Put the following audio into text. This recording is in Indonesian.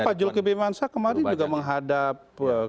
dan pak zulkifli mansah kemarin juga menghadap